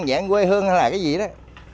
dạng quê hương hay là cái gì đó